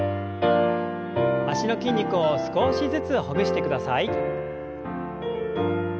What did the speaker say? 脚の筋肉を少しずつほぐしてください。